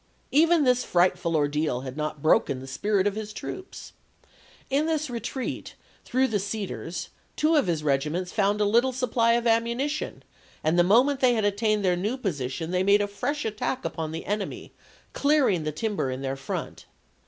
Even this frightful ordeal had not broken the spirit of his troops. In this retreat through the cedars, two of his regiments found a little sup ply of ammunition, and the moment they had at tained their new position they made a fresh attack upon the enemy, clearing the timber in their front.